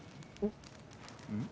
うん？